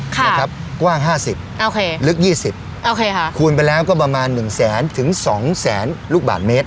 ค่ะนะครับกว้างห้าสิบโอเคลึกยี่สิบโอเคค่ะคูณไปแล้วก็ประมาณหนึ่งแสนถึงสองแสนลูกบาทเมตร